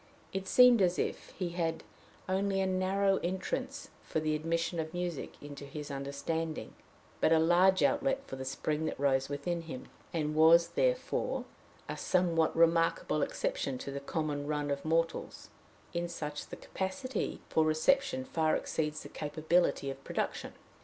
It seemed as if he had only a narrow entrance for the admission of music into his understanding but a large outlet for the spring that rose within him, and was, therefore, a somewhat remarkable exception to the common run of mortals: in such, the capacity for reception far exceeds the capability of production.